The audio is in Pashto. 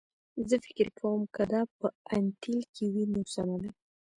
زه فکر کوم که دا په انټیل کې وي نو سمه ده